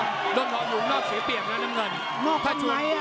โดจ้องหลอกหลวง